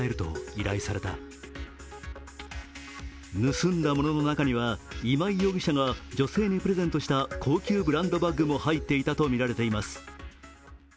盗んだものの中には今井容疑者が女性にプレゼントした高級ブランドバッグも入っていたとみられています。